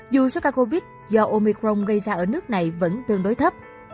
dù sars cov do omicron gây ra ở nước này vẫn tương đối thấp